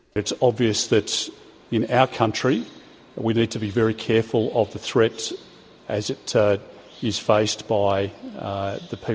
berita terkini mengatakan bahwa iran memberikan izin kepada hamas untuk melakukan serangan di beirut lebanon senin lalu